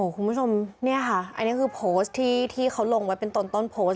คุณผู้ชมเนี่ยค่ะอันนี้คือโพสต์ที่เขาลงไว้เป็นตนต้นโพสต์